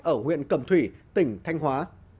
ở huyện cầm thủy tỉnh thanh hóa